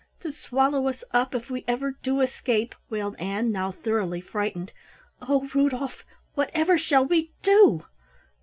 "To swallow us up if we ever do escape!" wailed Ann, now thoroughly frightened. "Oh, Rudolf, whatever shall we do?"